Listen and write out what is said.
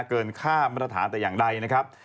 เกินค่ามาตรฐานแต่อย่างใดนะครับ